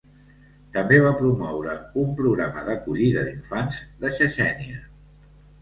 També va promoure un programa d'acollida d'infants de Txetxènia.